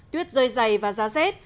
tuyết rơi dày và ra rét